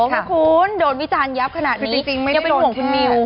คุณโดนวิจารณ์ยับขนาดนี้ไม่ต้องเป็นห่วงคุณมิว